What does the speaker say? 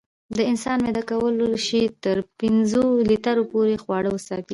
د انسان معده کولی شي تر پنځو لیټرو پورې خواړه وساتي.